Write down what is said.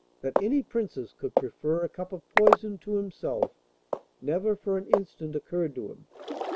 That any Princess could prefer a cup of poison to himself never for an instant occurred to him.